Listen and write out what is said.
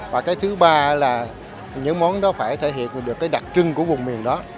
và thứ ba là những món đó phải thể hiện được đặc trưng của vùng miền đó